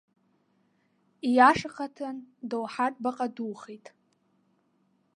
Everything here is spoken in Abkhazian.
Ииашахаҭан доуҳатә баҟа духеит.